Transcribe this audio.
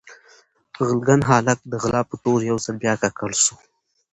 غلګن هالک د غلا په تور يو ځل بيا ککړ سو